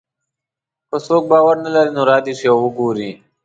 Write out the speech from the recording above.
که څوک باور نه لري نو را دې شي او وګوري.